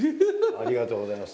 ありがとうございます。